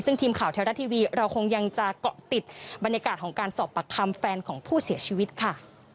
ซึ่งทีมข่าวเทวรัฐทีวีเราคงยังจะเกาะติดบรรยากาศของการสอบปากคำแฟนของผู้เสียชีวิตค่ะ